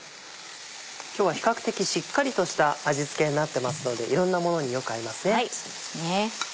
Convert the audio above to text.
今日は比較的しっかりとした味付けになってますのでいろんなものによく合いますね。